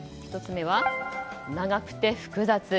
１つ目は、長くて複雑。